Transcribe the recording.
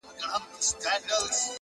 د چا د سترگو د رڼا په حافظه کي نه يم_